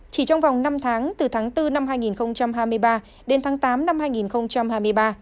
chỉ trong vòng năm tháng từ tháng bốn năm hai nghìn hai mươi ba đến tháng tám năm hai nghìn hai mươi ba